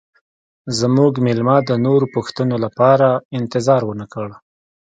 زموږ میلمه د نورو پوښتنو لپاره انتظار ونه کړ